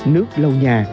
nước lâu nhà